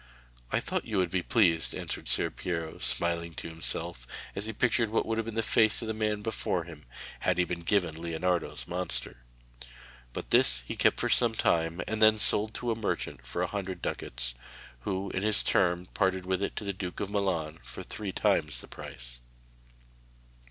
'I thought you would be pleased,' answered Ser Piero, smiling to himself as he pictured what would have been the face of the man before him, had he been given Leonardo's monster. But this he kept for some time and then sold to a merchant for a hundred ducats, who in his turn parted with it to the Duke of Milan for three times the price.